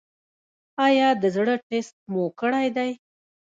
ایا د زړه ټسټ مو کړی دی؟